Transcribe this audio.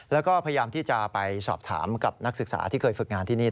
แล้วก็พยายามที่จะไปสอบถามกับนักศึกษาที่เคยฝึกงานที่นี่